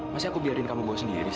masih aku biarin kamu bawa sendiri sih